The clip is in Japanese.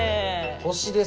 星です。